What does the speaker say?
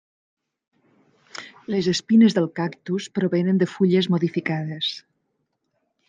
Les espines dels cactus provenen de fulles modificades.